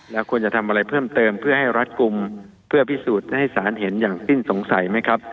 แล้วควรจะทำอะไรเพิ่มเติมเพื่อให้รัดกลุ่มเพื่อพิสูจน์ให้สารเห็นอย่างสิ้นสงสัยไหมครับ